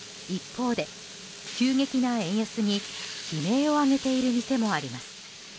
一方で急激な円安に悲鳴を上げている店もあります。